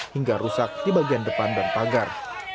hingga rusak di bagian depan dan pagar